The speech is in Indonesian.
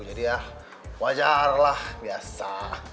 jadi ya wajarlah biasa